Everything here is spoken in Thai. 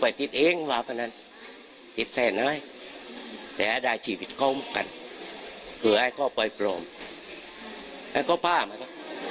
ไอ้ข้าวปล่ามาซะ